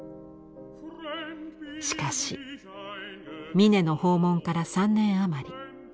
しかし峯の訪問から３年余り。